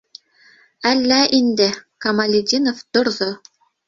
Әллә инде, - Камалетдинов торҙо.